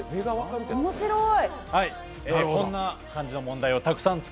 面白い。